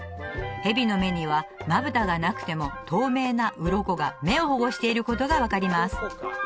ヘビの目にはまぶたがなくても透明なウロコが目を保護していることが分かります